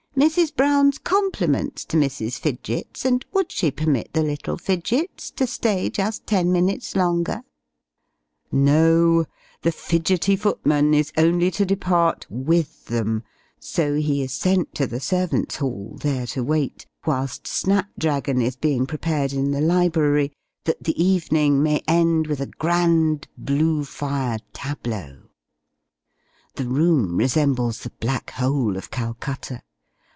"Mrs. Brown's compliments to Mrs. Fidgets, and would she permit the little Fidgets to stay just ten minutes longer?" No! the Fidgety footman is only to depart with them; so he is sent to the servants' hall, there to wait, whilst snap dragon is being prepared in the library that the evening may end with a grand blue fire tableaux. The room resembles the Black Hole of Calcutta!